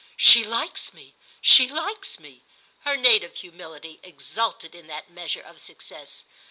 "She likes me—she likes me": her native humility exulted in that measure of success.